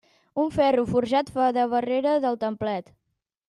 Un ferro forjat fa de barrera del templet.